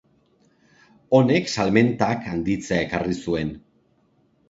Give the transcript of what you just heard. Honek salmentak handitzea ekarri zuen.